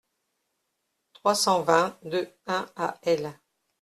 trois cent vingt-deux-un à L.